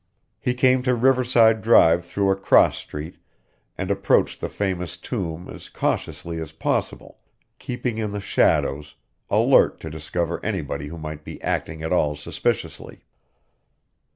He came to Riverside Drive through a cross street, and approached the famous Tomb as cautiously as possible, keeping in the shadows, alert to discover anybody who might be acting at all suspiciously.